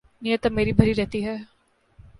نیت اب میری بھری رہتی ہے